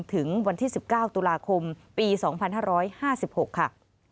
ถึงวันที่สิบเก้าตุลาคมปีสองพันห้าร้อยห้าสิบหกค่ะ